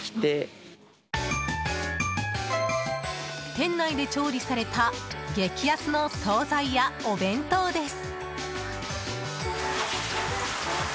店内で調理された激安の総菜やお弁当です。